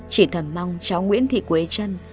chỉ thầm mong cháu nguyễn thị quế trân